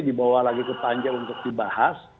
dibawa lagi ke panja untuk dibahas